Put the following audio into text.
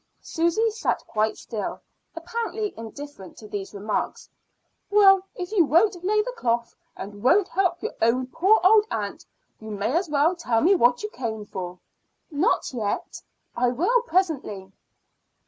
Susy sat quite still, apparently indifferent to these remarks. "Well, if you won't lay the cloth, and won't help your own poor old aunt, you may as well tell me what you came for." "Not yet. I will presently."